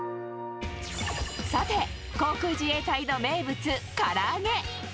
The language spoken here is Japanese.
さて、航空自衛隊の名物、から揚げ。